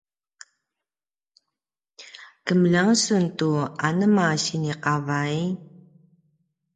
kemeljang sun tu anema sini qavay?